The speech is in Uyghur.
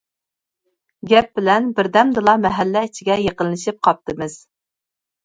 گەپ بىلەن بىردەمدىلا مەھەللە ئىچىگە يېقىنلىشىپ قاپتىمىز.